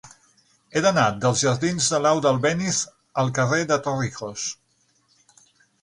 He d'anar dels jardins de Laura Albéniz al carrer de Torrijos.